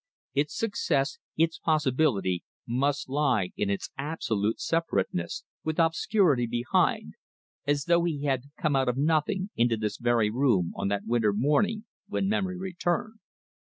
Its success, its possibility, must lie in its absolute separateness, with obscurity behind as though he had come out of nothing into this very room, on that winter morning when memory returned.